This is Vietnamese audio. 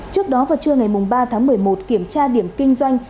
trước đó vào trưa ngày ba tháng một mươi một kiểm tra điểm kinh doanh